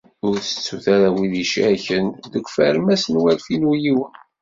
Ur tettut ara wid icerken deg ufermas n walfin u yiwen.